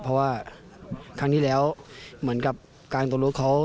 เพราะว่าครั้งที่แล้วเหมือนกับการตัวรู้เขา